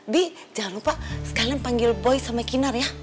bi jangan lupa sekalian panggil boy sama kinar ya